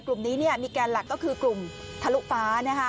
กลุ่มนี้มีแกนหลักก็คือกลุ่มทะลุฟ้า